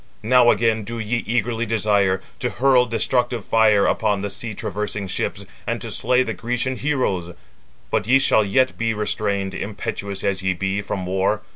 Now again do ye eagerly desire to hurl destructive fire upon the sea traversing ships, and to slay the Grecian heroes. But ye shall yet be restrained, impetuous as ye be, from war.